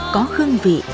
có hương vị